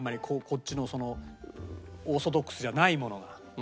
こうこっちのそのオーソドックスじゃないものが。